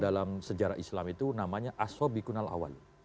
dalam sejarah islam itu namanya aswabi kunal awali